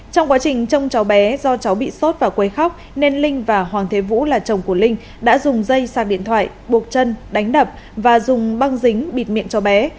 trong quá trình trông cháu bé do cháu bị sốt và quấy khóc nên linh và hoàng thế vũ là chồng của linh đã dùng dây sạc điện thoại buộc chân đánh đập và dùng băng dính bịt miệng cho bé